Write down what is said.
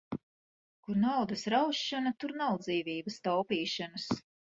Kur naudas raušana, tur nav dzīvības taupīšanas.